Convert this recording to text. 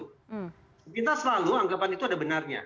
kita selalu anggapan itu ada benarnya